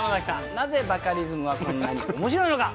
なぜバカリズムはこんなに面白いのか。